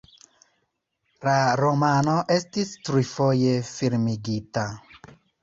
La romano estis trifoje filmigita.